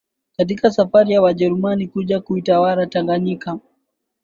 katika safari ya wajerumani kuja kuitawala Tanganyika